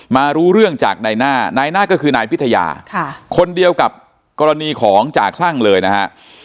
รู้เรื่องจากนายหน้านายหน้าก็คือนายพิทยาคนเดียวกับกรณีของจ่าคลั่งเลยนะฮะ